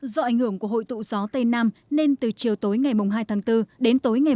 do ảnh hưởng của hội tụ gió tây nam nên từ chiều tối ngày hai bốn đến tối ngày ba bốn